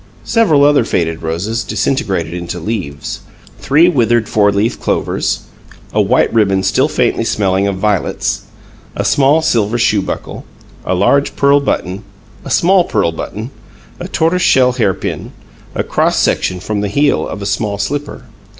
Several other faded roses, disintegrated into leaves. Three withered "four leaf clovers." A white ribbon still faintly smelling of violets. A small silver shoe buckle. A large pearl button. A small pearl button. A tortoise shell hair pin. A cross section from the heel of a small slipper.